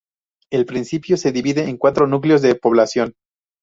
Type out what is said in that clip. El municipio se divide en cuatro núcleos de población.